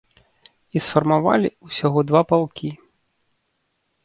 І сфармавалі ўсяго два палкі.